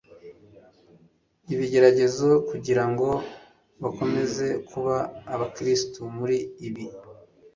ibigeragezo kugira ngo bakomeze kuba abakristo muri ibi